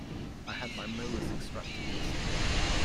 I had my molars extracted yesterday.